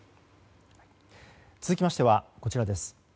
続きましてはこちらです。